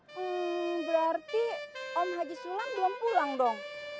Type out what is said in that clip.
hmm berarti om haji sulat belum pulang dong